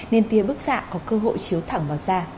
nên tia bức xạ có cơ hội chiếu thẳng